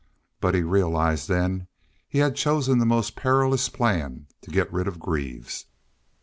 But he realized then he had chosen the most perilous plan to get rid of Greaves.